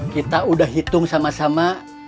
kita udah hitung sama sama